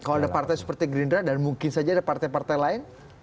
kalau ada partai seperti gerindra dan mungkin saja ada partai partai lain